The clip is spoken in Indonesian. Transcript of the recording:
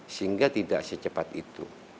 sehingga tidak secepat itu